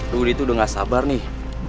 rudi tuh udah gak sabar nih